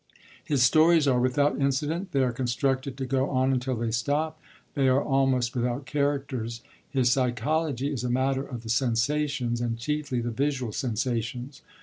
His stories are without incident, they are constructed to go on until they stop, they are almost without characters. His psychology is a matter of the sensations, and chiefly the visual sensations.